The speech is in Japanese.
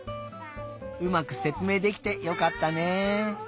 うまくせつめいできてよかったね。